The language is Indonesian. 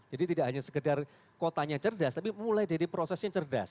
jadi tidak hanya sekedar kotanya cerdas tapi mulai dari prosesnya cerdas